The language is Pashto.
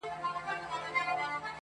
هسي رنګه چي له ژونده یې بېزار کړم!.